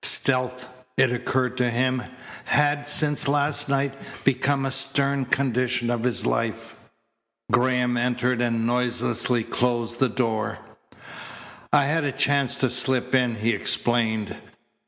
Stealth, it occurred to him, had, since last night, become a stern condition of his life. Graham entered and noiselessly closed the door. "I had a chance to slip in," he explained.